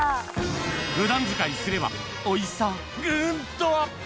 普段使いすればおいしさグンとアップ